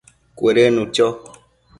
Cuëdënnu cho